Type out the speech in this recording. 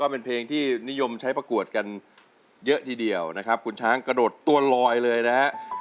เป็นเพลงที่นิยมใช้ประกวดกันเยอะทีเดียวนะครับคุณช้างกระโดดตัวลอยเลยนะฮะ